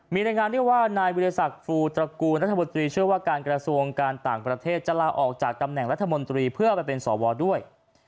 มีรายงานด้วยว่านายวิทยาศักดิ์ฟูตระกูลรัฐมนตรีเชื่อว่าการกระทรวงการต่างประเทศจะลาออกจากตำแหน่งรัฐมนตรีเพื่อไปเป็นสวด้วย